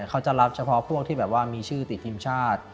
เขาจะรับเฉพาะพวกที่แบบว่ามีชื่อติดทีมชาติ